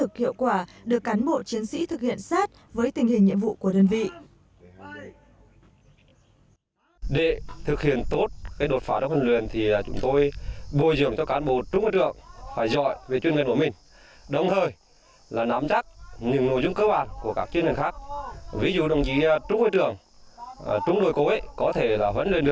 các thực hiệu quả được cán bộ chiến sĩ thực hiện sát với tình hình nhiệm vụ của đơn vị